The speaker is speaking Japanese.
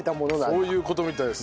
そういう事みたいです。